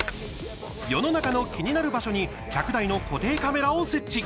世の中の気になる場所に１００台の固定カメラを設置。